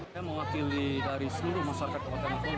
saya mewakili dari seluruh masyarakat kabupaten bogor